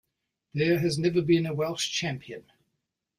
There has never been a Welsh champion.